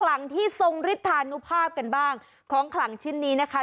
หลังที่ทรงฤทธานุภาพกันบ้างของขลังชิ้นนี้นะคะ